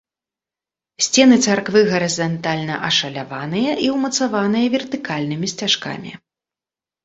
Сцены царквы гарызантальна ашаляваныя і ўмацаваныя вертыкальнымі сцяжкамі.